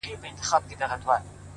• یېګانه چي له آزادي زندګۍ سي ,